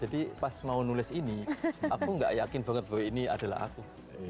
jadi pas mau nulis ini aku nggak yakin banget bahwa ini adalah aku